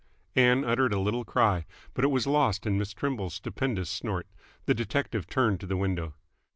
Ann uttered a little cry, but it was lost in Miss Trimble's stupendous snort. The detective turned to the window.